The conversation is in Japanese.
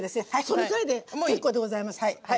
そのくらいで結構でございますはい。